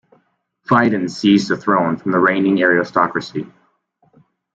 Pheidon seized the throne from the reigning aristocracy.